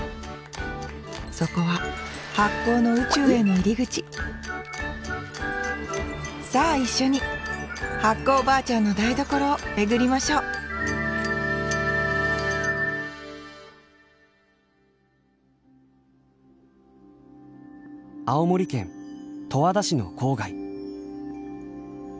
そこは発酵の宇宙への入り口さあ一緒に発酵おばあちゃんの台所を巡りましょう青森県十和田市の郊外。